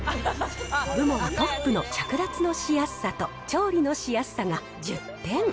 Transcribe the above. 部門トップの着脱のしやすさと調理のしやすさが１０点。